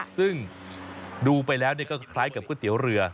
ซึ่งดูไปแล้วก็คล้ายกับก๋วยเตี๋ยวเรือ